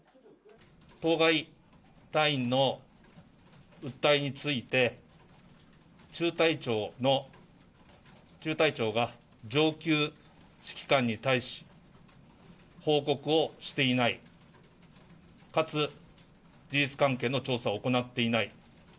当該隊員の訴えについて、中隊長が上級指揮官に対し、報告をしていない、かつ事実関係の調査を行っていない。